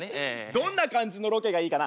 どんな感じのロケがいいかな？